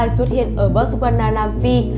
xuất hiện ở botswana nam phi